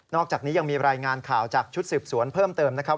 อกจากนี้ยังมีรายงานข่าวจากชุดสืบสวนเพิ่มเติมนะครับ